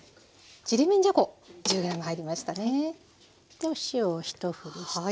でお塩をひとふりして。